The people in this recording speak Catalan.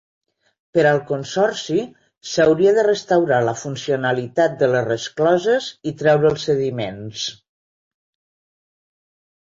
Per al Consorci, s'hauria de restaurar la funcionalitat de les rescloses i treure els sediments.